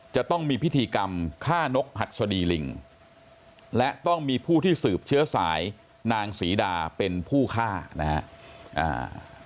จะต้องมีพิธีกรรมฆ่านกหัดสดีลิงและต้องมีผู้ที่สืบเชื้อสายนางศรีดาเป็นผู้ฆ่านะฮะ